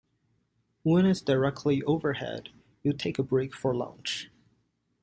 When it's directly overhead, you take a break for lunch.